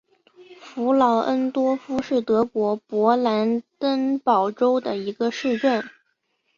弗劳恩多夫是德国勃兰登堡州的一个市镇。